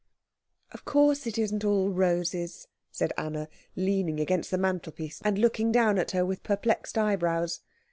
"Of course it isn't all roses," said Anna, leaning against the mantelpiece and looking down at her with perplexed eyebrows.